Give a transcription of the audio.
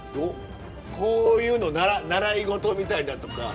こういうの習い事みたいなとか。